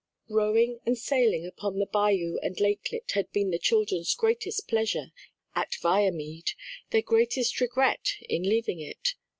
Rowing and sailing upon the bayou and lakelet had been the children's greatest pleasure at Viamede, their greatest regret in leaving it.